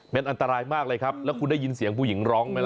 เป็นอันตรายมากเลยครับแล้วคุณได้ยินเสียงผู้หญิงร้องไหมล่ะ